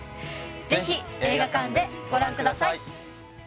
ぜひ映画館でご覧ください